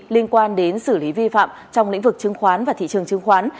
liên quan đến xử lý vi phạm trong lĩnh vực chứng khoán và thị trường chứng khoán